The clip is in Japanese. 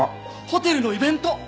ホテルのイベント！